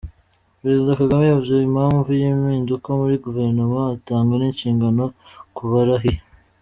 Perezida Kagame yavuze impamvu y’impinduka muri Guverinoma ,atanga n’inshingano ku barahiye.